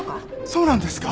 そうなんですか？